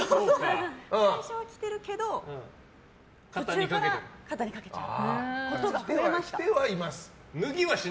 最初は着てるけど途中から肩にかけちゃうことが着てはいます。